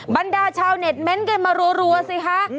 บรรดาชาวเน็ตเม้นต์กันมารัวสิคะ